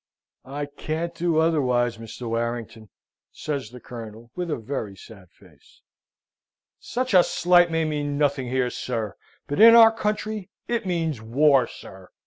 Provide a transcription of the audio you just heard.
"I can't do otherwise, Mr. Warrington," says the Colonel, with a very sad face. "Such a slight may mean nothing here, sir, but in our country it means war, sir!"